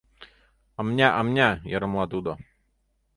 — «Ымня-ымня, — йырымла тудо.